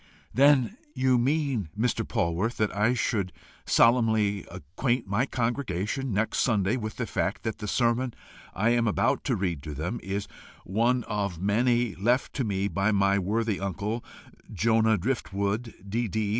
"Then you mean, Mr. Polwarth, that I should solemnly acquaint my congregation next Sunday with the fact that the sermon I am about to read to them is one of many left me by my worthy uncle, Jonah Driftwood, D.D.